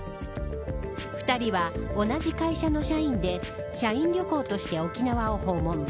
２人は同じ会社の社員で社員旅行として沖縄を訪問。